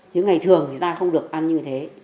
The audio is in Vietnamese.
những ngày thường người ta không được ăn như thế